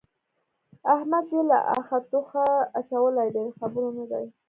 احمد يې له اخه توخه اچولی دی؛ د خبرو نه دی.